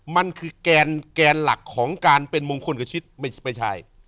มันคือแกนหลักของการเป็นมงคลกับชีวิตไม่ใช่